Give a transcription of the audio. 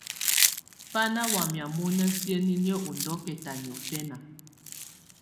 Bá ná wamɛ̀á mɔ́ná siǝ́niniǝ́ ú ndɔ̀kɛta niɔ̀fɛna.